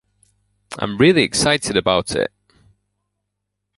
I'm really excited about it.